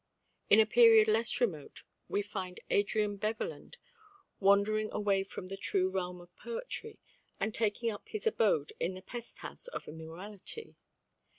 In a period less remote we find Adrian Beverland wandering away from the true realm of poetry and taking up his abode in the pesthouse of immorality.